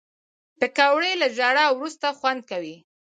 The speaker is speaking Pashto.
پکورې له ژړا وروسته خوند کوي